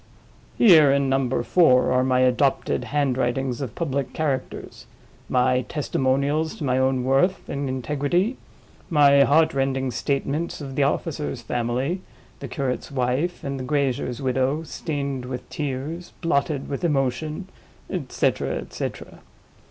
Here, in Number Four, are my Adopted Handwritings of public characters; my testimonials to my own worth and integrity; my Heartrending Statements of the officer's family, the curate's wife, and the grazier's widow, stained with tears, blotted with emotion; et cetera, et cetera.